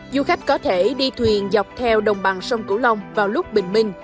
du khách có thể đi thuyền dọc theo đồng bằng sông cửu long vào lúc bình minh